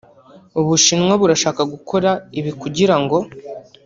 “U Bushinwa burashaka gukora ibi kugira ngo